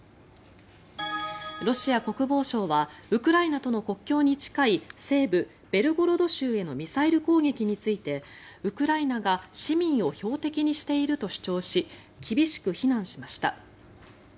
ロシア国防省はウクライナとの国境に近い西部ベルゴロド州へのミサイル攻撃についてウクライナが市民を標的にしていると主張し厳しく非難しました。